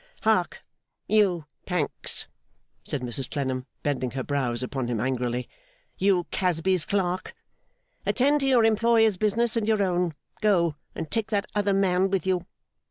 'Hark! You Pancks,' said Mrs Clennam, bending her brows upon him angrily, 'you Casby's clerk! Attend to your employer's business and your own. Go. And take that other man with you.